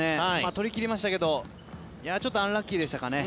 取り切りましたけどちょっとアンラッキーでしたかね。